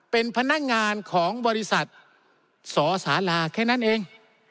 เป็นพนักงานของบริษัทสสาราแค่นั้นเอง